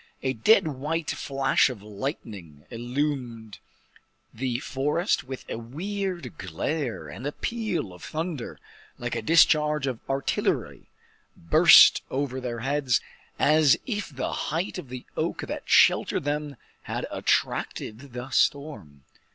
A dead white flash of lightning illumined the forest with a weird glare, and a peal of thunder, like a discharge of artillery, burst over their heads, as if the height of the oak that sheltered them had attracted the storm.